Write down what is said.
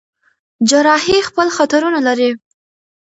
جراحي خپل خطرونه لري.